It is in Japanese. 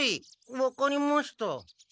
分かりました。